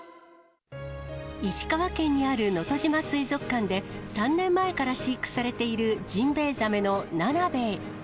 石川県にあるのとじま水族館で、３年前から飼育されているジンベエザメのナナベエ。